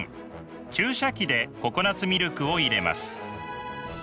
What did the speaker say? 注射器でココナツミルクを入れます。